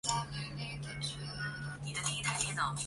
本站为广州地铁线网位处最南的车站。